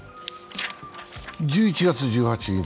１１月１８日